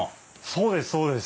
そうですそうです！